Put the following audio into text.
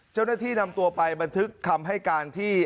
เจ้าหน้าที่นำตัวไปบันทึกคำให้การที่